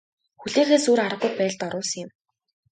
Хүлээхээс өөр аргагүй байдалд оруулсан юм.